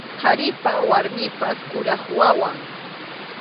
Qharipa warmipa kuraq wawan.